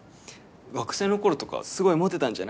学生の頃とかすごいモテたんじゃないですか？